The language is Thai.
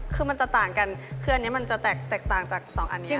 คือมันจะต่างกันคืออันนี้มันจะแตกต่างจากสองอันนี้